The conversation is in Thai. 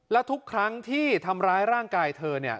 แล้วทุกครั้งที่ทำร้ายร่างกายเธอเนี่ย